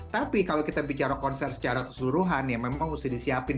tapi kalau kita bicara konser secara keseluruhan ya memang mesti disiapin